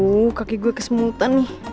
oh kaki gue kesemutan nih